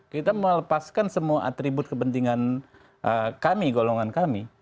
kita melepaskan semua atribut kepentingan kami golongan kami